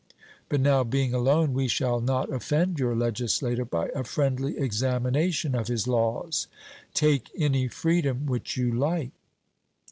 But now being alone we shall not offend your legislator by a friendly examination of his laws. 'Take any freedom which you like.'